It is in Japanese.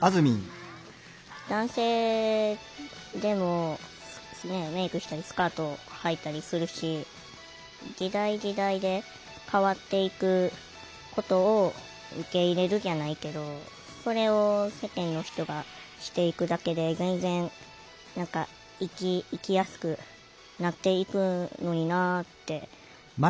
男性でもメークしたりスカートはいたりするし時代時代で変わっていくことを受け入れるじゃないけどそれを世間の人がしていくだけで全然何か生きやすくなっていくのになぁって。